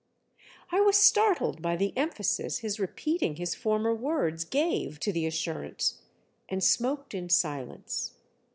I was startled by the emphasis his re peating his former words gave to the as surance, and smoked in silence.